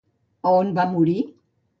A on va morir?